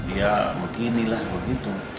ya beginilah begitu